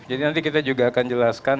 jadi nanti kita juga akan jelaskan